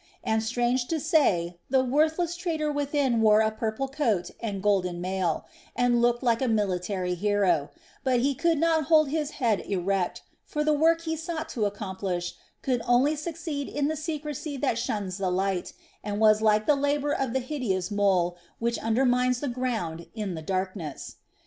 And strange to say, the worthless traitor within wore a purple coat and golden mail, and looked like a military hero, but he could not hold his head erect, for the work he sought to accomplish could only succeed in the secrecy that shuns the light, and was like the labor of the hideous mole which undermines the ground in the darkness.